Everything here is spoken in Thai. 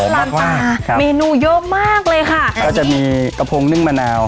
กลิ่นมาก่อเลยนะฮะใช่ครับร้านปลาเมนูเยอะมากเลยค่ะก็จะมีกระพงนึ่งมะนาว